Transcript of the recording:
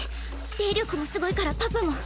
霊力もすごいからパパも。